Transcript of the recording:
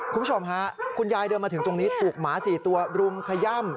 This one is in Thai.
คุณผู้ชมฮะคุณยายเดินมาถึงตรงนี้ถูกหมา๔ตัวรุมขย่ำ